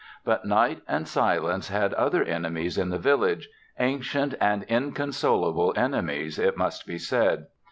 But Night and Silence had other enemies in the village ancient and inconsolable enemies, it must be said.